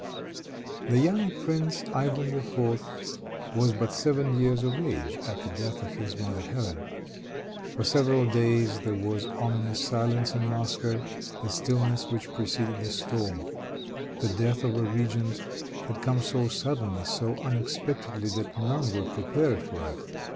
The young prince, Ivan IV., was but seven years of age at the death of his mother Hélène. For several days there was ominous silence in Moscow, the stillness which precedes the storm. The death of the regent had come so suddenly, so unexpectedly, that none were prepared for it.